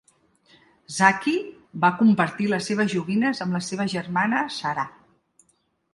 Zaki va compartir les seves joguines amb la seva germana Sarah.